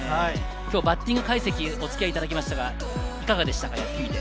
バッティング解析、お付き合いいただきましたがいかがでしたか？